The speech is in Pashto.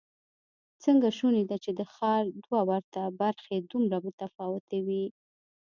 څنګه شونې ده چې د ښار دوه ورته برخې دومره متفاوتې وي؟